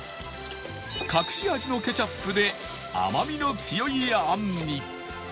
隠し味のケチャップで甘みの強い餡に